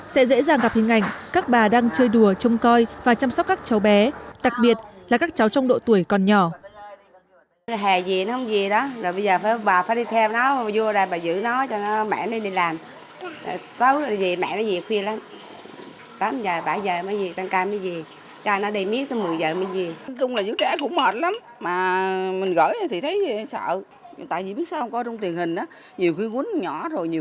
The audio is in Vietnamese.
sẽ dễ dàng gặp hình ảnh các bà đang chơi đùa trông coi và chăm sóc các cháu bé đặc biệt là các cháu trong độ tuổi còn nhỏ